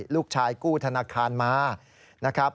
ลูกชายกู้ธนาคารมา